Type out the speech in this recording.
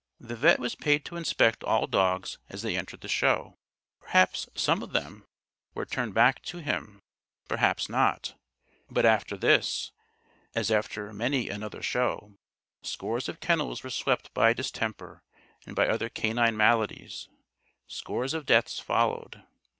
The vet' was paid to inspect all dogs as they entered the show. Perhaps some of them were turned back by him, perhaps not; but after this, as after many another show, scores of kennels were swept by distemper and by other canine maladies, scores of deaths followed.